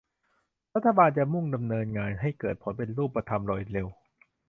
รัฐบาลจะมุ่งมั่นดำเนินงานให้เกิดผลเป็นรูปธรรมโดยเร็ว